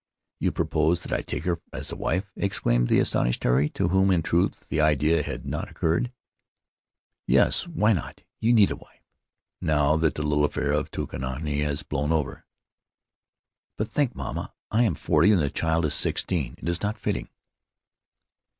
'You propose that I take her as a wife?" exclaimed the astonished Tari, to whom, in truth, the idea had not occurred. "Yes. Why not? You need a wife, now that the little affair of Tukonini has blown over." "But think, mamma — I am forty and the child is sixteen; it is not fitting."